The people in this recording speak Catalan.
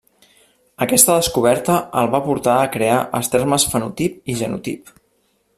Aquesta descoberta el va portar a crear els termes fenotip i genotip.